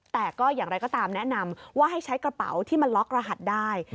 แต่ก็อย่างไรก็ตามแนะนำว่าให้ใช้กระเป๋าที่มันล็อกรหัสได้